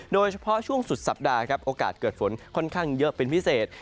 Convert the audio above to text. โดยเฉพาะช่วงสุดสัปดาห์ครับโอกาสเกิดฝนค่อนข้างเยอะเป็นพิเศษ